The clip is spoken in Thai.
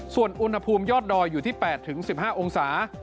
ส่วนอุณหภูมิยอดดอยอยู่ที่๘๑๕องศา